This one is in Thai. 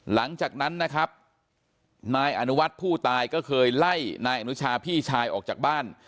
หลังจากนั้นนะครับนายอนุวัฒน์ผู้ตายก็เคยไล่นายอนุชาพี่ชายออกจากบ้าน